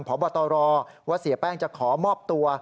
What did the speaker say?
พบตรว่าเสียแป้งจะขอมอบตัว